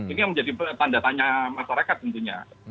ini yang menjadi tanda tanya masyarakat tentunya